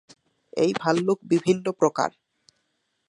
এই ভাল্লুক বিভিন্ন প্রকার।